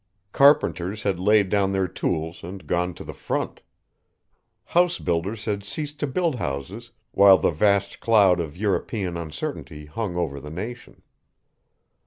Carpenters had laid down their tools and gone to the front. House builders had ceased to build houses while the vast cloud of European uncertainty hung over the nation.